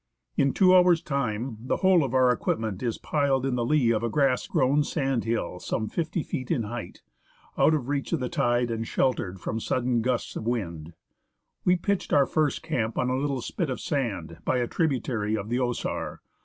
In two hours' time the whole of our equipment is piled in the lee of a grass grown sandhill some fifty feet in height, out of reach of the tide, and sheltered from sudden gusts of wind. We pitch our first camp on a little spit of sand, by a tributary of the Osar.